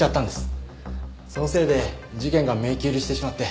そのせいで事件が迷宮入りしてしまって。